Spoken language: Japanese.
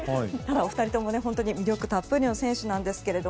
お二人とも本当に魅力たっぷりの選手です。